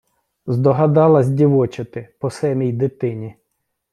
Здогадалась дівочити по семій дитині.